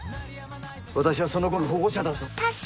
私はその子の保護者だぞ。